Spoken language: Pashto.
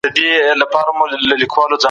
احمد شاه ابدالي څنګه د اړیکو دوام یقیني کاوه؟